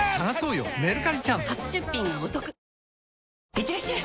いってらっしゃい！